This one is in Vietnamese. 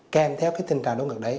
khen theo cái tình trạng đau ngực đấy